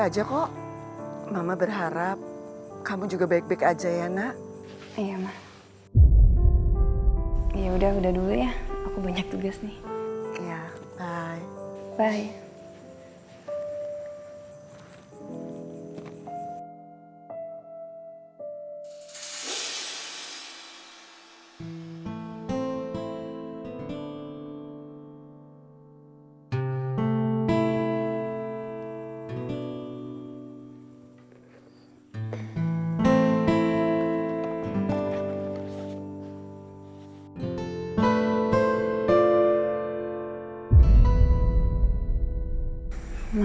aja kok mama berharap kamu juga baik baik aja ya nak ya udah udah dulu ya banyak tugas nih bye bye